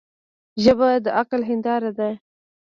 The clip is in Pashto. ژبه د عقل هنداره ده